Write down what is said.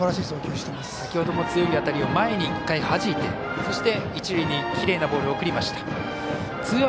先ほども強い当たりを前に１回はじいて一塁にきれいなボールを送りました。